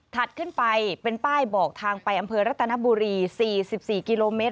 ขึ้นไปเป็นป้ายบอกทางไปอำเภอรัตนบุรี๔๔กิโลเมตร